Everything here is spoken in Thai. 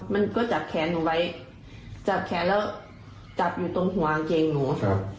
มันก็จับแขนหนูไว้จับแขนแล้วจับอยู่ตรงหัวกางเกงหนูครับ